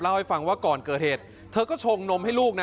เล่าให้ฟังว่าก่อนเกิดเหตุเธอก็ชงนมให้ลูกนะ